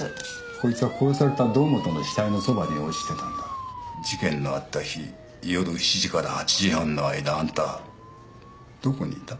こいつは殺された堂本の死体のそばに落ちてたんだ事件のあった日夜７時から８時半の間あんたどこにいた？